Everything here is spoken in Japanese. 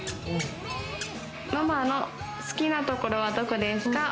ママの好きなところは、どこですか？